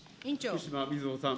福島みずほさん。